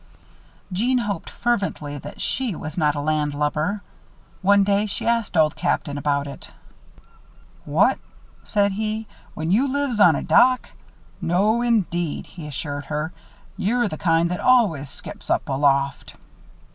Jeanne hoped fervently that she was not a landlubber. One day, she asked Old Captain about it. "What," said he, "when you lives on a dock? No, indeed," he assured her. "You're the kind that allus skips up aloft."